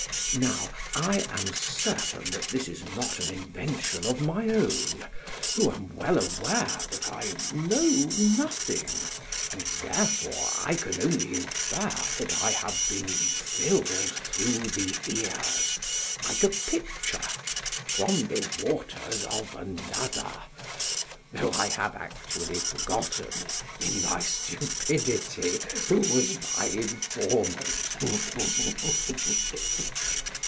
Now I am certain that this is not an invention of my own, who am well aware that I know nothing, and therefore I can only infer that I have been filled through the ears, like a pitcher, from the waters of another, though I have actually forgotten in my stupidity who was my informant.